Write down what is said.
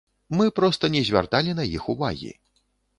Мы проста не звярталі на іх увагі.